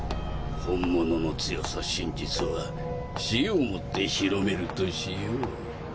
本物の強さ真実は死をもって広めるとしよう。